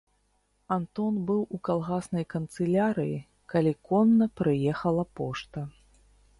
Антон быў у калгаснай канцылярыі, калі конна прыехала пошта.